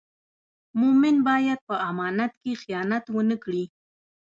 مومن باید په امانت کې خیانت و نه کړي.